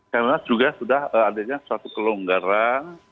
karena juga sudah adanya suatu kelonggaran